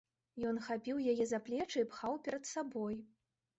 Ён хапіў яе за плечы і пхаў перад сабой.